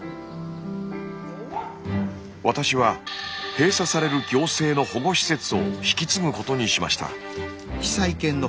私は閉鎖される行政の保護施設を引き継ぐことにしました。